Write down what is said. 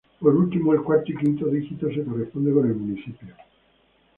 Por último, el cuarto y quinto dígito se corresponde con el municipio.